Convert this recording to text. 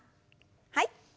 はい。